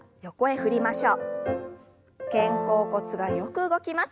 肩甲骨がよく動きます。